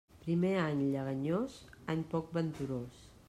Primer d'any lleganyós, any poc venturós.